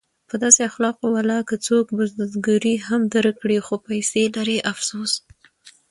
په داسې اخلاقو ولاکه څوک بزګري هم درکړي خو پیسې لري افسوس!